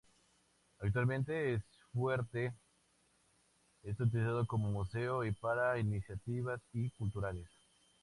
Actualmente el fuerte es utilizado como museo y para iniciativas y culturales.